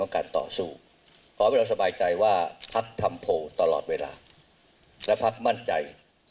ขอจัดเวทย์